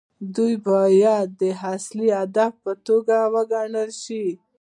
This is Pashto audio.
دوی باید د اصلي هدف په توګه وګڼل شي.